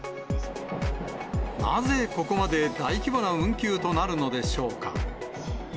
なぜここまで大規模な運休となるのでしょうか。